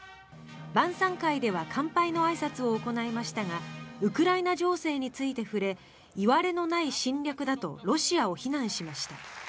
晩さん会では乾杯のあいさつを行いましたがウクライナ情勢について触れいわれのない侵略だとロシアを非難しました。